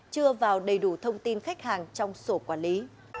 chưa vào đầy đủ thông tin khách hàng trong sổ quản lý